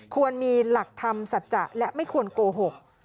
ควรมีหลักธรรมสัจจะและไม่ควรโกหก